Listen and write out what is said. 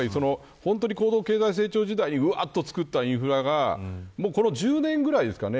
高度経済成長時代に造ったインフラがこの１０年ぐらいですかね。